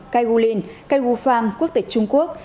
cai gu linh cai gu pham quốc tịch trung quốc